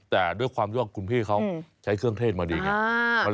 แต่ด้วยความที่ว่าคุณพี่เขาใช้เครื่องเทศมาดีไง